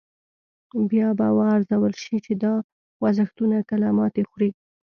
بیا به و ارزول شي چې دا خوځښتونه کله ماتې خوري.